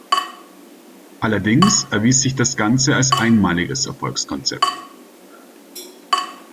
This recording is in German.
Allerdings erwies sich das Ganze als einmaliges Erfolgsrezept.